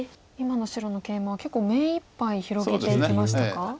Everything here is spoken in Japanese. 今の白のケイマは結構目いっぱい広げていきましたか。